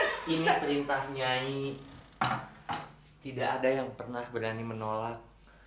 ini perintah nyai tidak ada yang pernah berani menolak